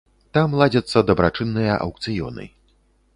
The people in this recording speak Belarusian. Там ладзяцца дабрачынныя аўкцыёны.